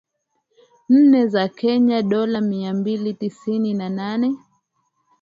Nne za Kenya (Dola mia mbili tisini na nane.